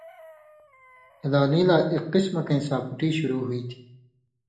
ہلالیِں لا اک قسمَہ کَیں ساپُوٹی شُروع ہو تھی۔